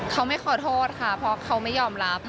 เขาไม่ขอโทษค่ะเพราะเขาไม่ยอมรับ